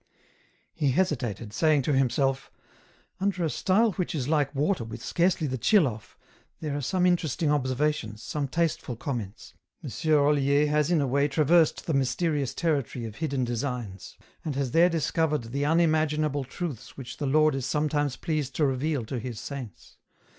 He hesitated, saying to himself, " Under a style which is like water with scarcely the chill off, there are some interesting observations, some tasteful comments. M. Olier has in a way traversed the mysterious territory of hidden designs, and has there discovered the unimaginable truths which the Lord is sometimes pleased to reveal to His saints.